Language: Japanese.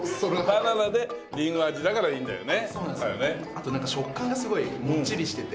あとなんか食感がすごいモッチリしてて。